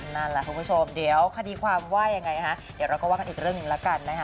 นั่นแหละคุณผู้ชมเดี๋ยวคดีความว่ายังไงคะเดี๋ยวเราก็ว่ากันอีกเรื่องหนึ่งแล้วกันนะคะ